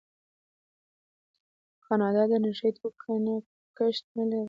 کاناډا د نشه یي توکو کښت نلري.